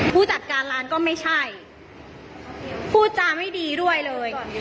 ผู้จัดการร้านก็ไม่ใช่พูดจาไม่ดีด้วยเลย